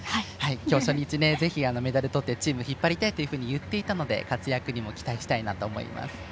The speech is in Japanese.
初日ぜひメダルとってチームを引っ張りたいと言っていたので活躍にも期待したいなと思います。